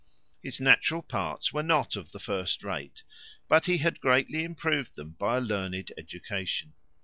His natural parts were not of the first rate, but he had greatly improved them by a learned education.